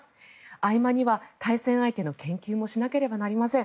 合間には対戦相手の研究もしなければなりません。